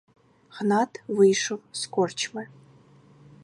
Гнат вийшов з корчми.